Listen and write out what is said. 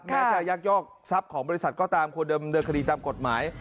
แม้จะยักยอกทรัพย์ของบริษัทก็ตามควรเดิมเนินคดีตามกฎหมาย